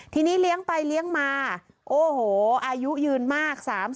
ทีนี้เลี้ยงไปเลี้ยงมาโอ้โหอายุยืนมาก